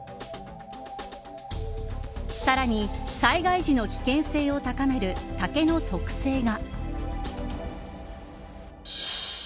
さらに、災害時の危険性を高める竹の特性が。